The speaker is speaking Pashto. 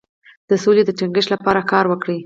د سولې د ټینګښت لپاره کار وکړئ.